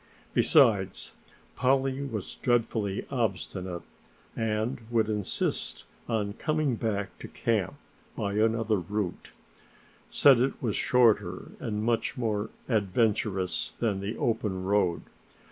Besides, Polly was dreadfully obstinate and would insist on coming back to camp by another route, said it was shorter and much more adventurous than the open road.